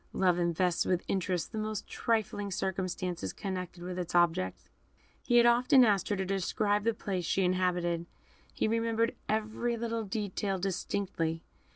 Love invests with interest the most trifling circumstance connected with its object. He had often asked her to describe the place she inhabited. He remembered every little detail distinctly.